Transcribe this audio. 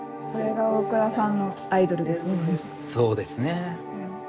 そうですね。